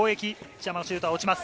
ジャマのシュートは落ちます。